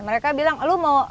mereka bilang lu mau